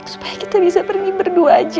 supaya kita bisa pergi berdua aja